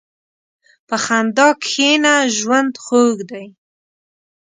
په خندا کښېنه، ژوند خوږ دی.